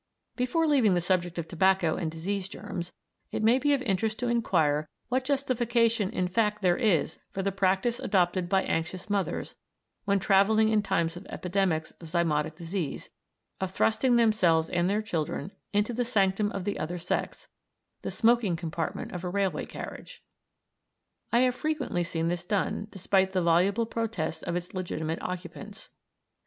Before leaving the subject of tobacco and disease germs it may be of interest to inquire what justification in fact there is for the practice adopted by anxious mothers, when travelling in times of epidemics of zymotic disease, of thrusting themselves and their children into the sanctum of the other sex the smoking compartment of a railway carriage. I have frequently seen this done, despite the voluble protests of its legitimate occupants.